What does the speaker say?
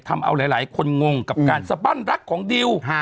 ทำเอาหลายคนงงกับการสบั้นรักของดิว